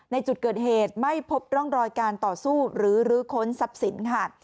ในจุดเกิดเหตุไม่พบร่องรอยการต่อสู้หรือรื้อค้นทรัพย์สินค่ะ